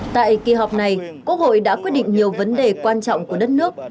tại kỳ họp này quốc hội đã quyết định nhiều vấn đề quan trọng của đất nước